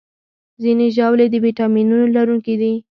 ځینې ژاولې د ویټامینونو لرونکي دي.